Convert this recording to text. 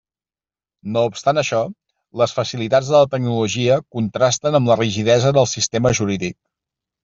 No obstant això, les facilitats de la tecnologia contrasten amb la rigidesa del sistema jurídic.